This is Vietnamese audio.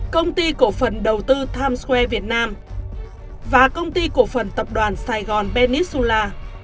công ty cổ phần đầu tư times square việt nam và công ty cổ phần tập đoàn sài gòn bennisula